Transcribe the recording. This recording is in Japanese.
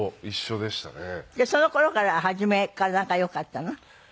でその頃から初めから仲良かったの？